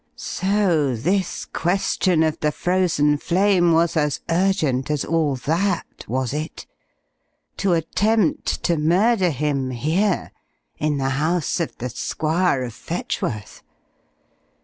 So this question of the Frozen Flame was as urgent as all that, was it? To attempt to murder him, here in the house of the Squire of Fetchworth.